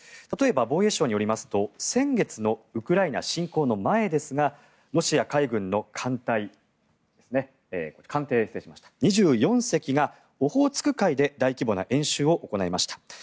例えば、防衛省によりますと先月のウクライナ侵攻の前ですがロシア海軍の艦艇２４隻がオホーツク海で大規模な演習を行いました。